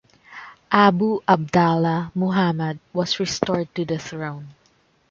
Abu Abdallah Muhammad was restored to the throne.